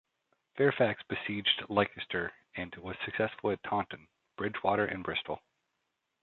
Fairfax besieged Leicester, and was successful at Taunton, Bridgwater and Bristol.